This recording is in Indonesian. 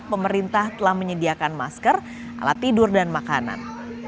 pemerintah telah menyediakan masker alat tidur dan makanan